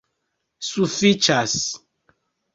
Sufiĉas!